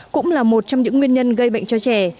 cũng là một trong những nguyên nhân gây bệnh cho trẻ